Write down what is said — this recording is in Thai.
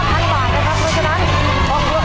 สี่สี่ห่อเท่านั้นนะครับ